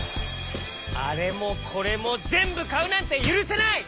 あれもこれもぜんぶかうなんてゆるせない！